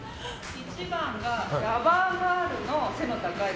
１番がラバーガールの背の高い方。